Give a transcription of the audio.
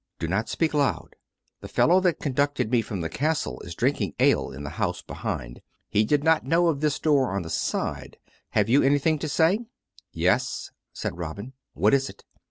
Do not speak loud. The fellow that conducted me from the castle is drinking ale in the house behind. He did not know of this door on the side. ... Have you anything to say ?"" Yes," said Robin. "What is it.